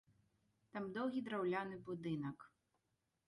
Там доўгі драўляны будынак.